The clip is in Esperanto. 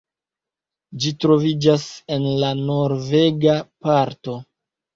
Ĝi troviĝas en la norvega parto.